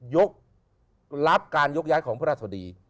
ยกรับการยกย้ายของพระราชดี